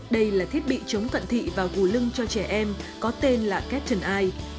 đây là thiết bị chống cận thị và gù lưng cho trẻ em có tên là catteny